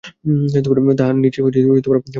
তার নীচের পাতাটা ভিজে গেছে।